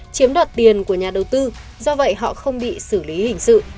chiếm đoạt tiền của nhà đầu tư do vậy họ không bị xử lý hình sự